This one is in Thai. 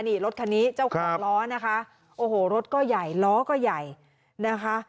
นี่รถคันนี้เจ้าของล้อนะคะโอ้โหรถก็ใหญ่ล้อก็ใหญ่นะคะ